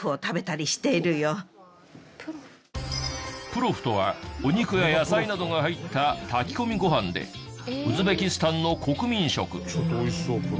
プロフとはお肉や野菜などが入った炊き込みご飯でウズベキスタンの国民食。